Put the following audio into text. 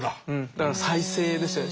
だから再生ですよね。